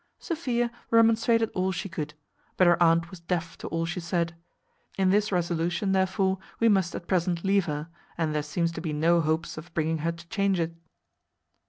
Sophia remonstrated all she could; but her aunt was deaf to all she said. In this resolution therefore we must at present leave her, as there seems to be no hopes of bringing her to change it.